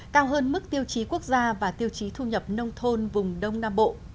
cao hơn mức tiêu chí quốc gia và tiêu chí thu nhập nông thôn vùng đông nam bộ